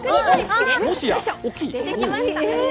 出てきました。